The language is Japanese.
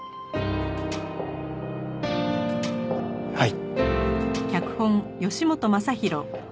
はい。